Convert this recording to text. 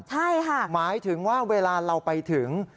ใช่ค่ะหมายถึงว่าเวลาเราไปถึง